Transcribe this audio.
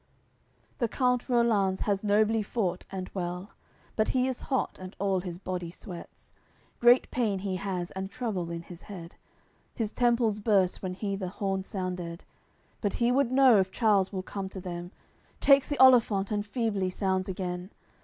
CLVI The count Rollanz has nobly fought and well, But he is hot, and all his body sweats; Great pain he has, and trouble in his head, His temples burst when he the horn sounded; But he would know if Charles will come to them, Takes the olifant, and feebly sounds again.